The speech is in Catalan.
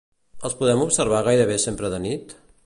Els podem observar gairebé sempre de nit?